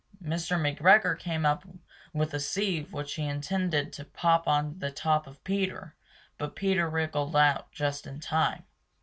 Mr. McGregor came up with a sieve which he intended to pop on the top of Peter, but Peter wriggled out just in time.